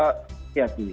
oke tetap harus hati hati